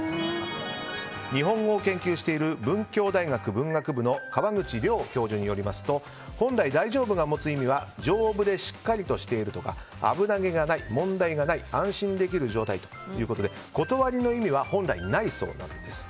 日本語を研究している文教大学文学部の川口良教授によりますと本来、大丈夫が持つ意味は丈夫でしっかりしているとか危なげがない、問題がない安心できる状態ということで断りの意味は本来、ないそうなんです。